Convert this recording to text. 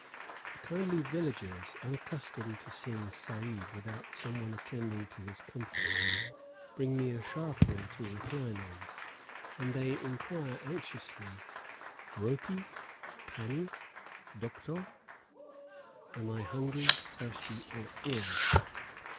The kindly villagers, unaccustomed to seeing a Sahib without someone attending to his comfort, bring me a charpoy to recline on, and they inquire anxiously, "roti? pahni? doctor." (am I hungry, thirsty, or ill?).